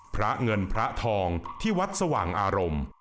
พระเงินพระทองที่วัดสว่างอารมณ์